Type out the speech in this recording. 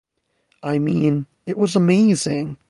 I mean it was amazing!